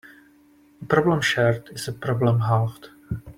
A problem shared is a problem halved.